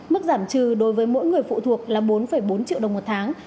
mức giảm trừ đối với mỗi người phụ thuộc là bốn bốn triệu đồng một tháng